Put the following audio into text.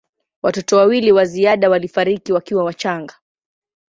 Watoto wawili wa ziada walifariki wakiwa wachanga.